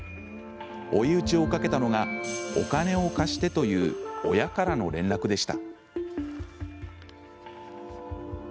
追い打ちをかけたのが「お金を貸して」という親からの連絡でした。